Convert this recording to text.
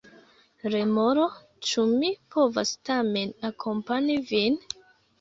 Remoro: "Ĉu mi povas tamen akompani vin?"